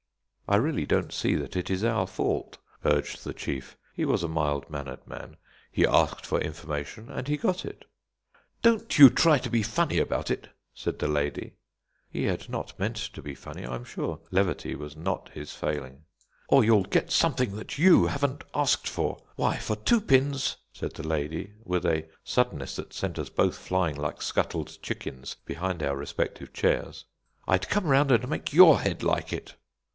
"I really don't see that it is our fault," urged the chief he was a mild mannered man; "he asked for information, and he got it." "Don't you try to be funny about it," said the lady (he had not meant to be funny, I am sure; levity was not his failing) "or you'll get something that you haven't asked for. Why, for two pins," said the lady, with a suddenness that sent us both flying like scuttled chickens behind our respective chairs, "I'd come round and make your head like it!"